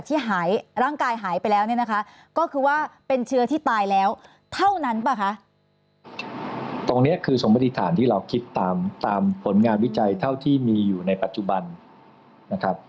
ตรงนี้คือสมพันธิษฐานที่เราคิดตามผลงานวิจัยเท่าที่มีอยู่ในปัจจุบันนะครับ